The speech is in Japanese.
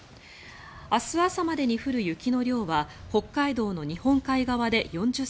明日朝までに降る雪の量は北海道の日本海側で４０ｃｍ